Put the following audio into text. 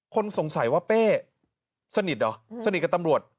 คนสงสัยว่าเป้สนิทเหรอสนิทกับตำรวจ